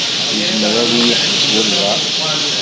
Izmer ad yi-d-iḥbes walbɛaḍ.